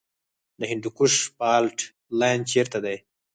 د هندوکش فالټ لاین چیرته دی؟